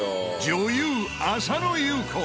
女優浅野ゆう子。